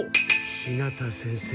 日向先生。